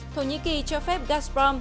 thổ nhĩ kỳ cho phép gazprom